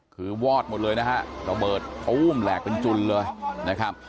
คือวอดหมดเลยนะฮะระเบิดตู้มแหลกเป็นจุนเลยนะครับ